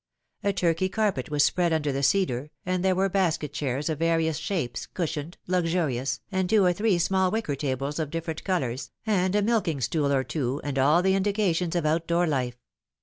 A Turkey carpet was spread under the cedar, and there were basket chairs of various shapes, cushioned, luxurious, and two or three small wicker tables of different colours, and a milking stool or two, and all the indications of outdoor life.